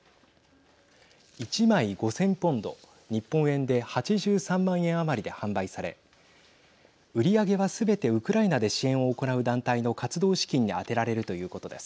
１枚５０００ポンド日本円で８３万円余りで販売され売り上げは、すべてウクライナで支援を行う団体の活動資金に充てられるということです。